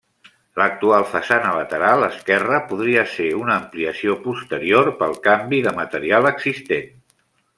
L'actual façana lateral esquerra podria ser una ampliació posterior, pel canvi de material existent.